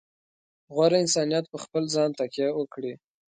غوره انسانیت په خپل ځان تکیه وکړي.